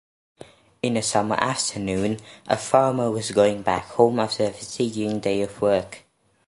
In a summer afternoon, a farmer was going back home after a fatiguing day of work.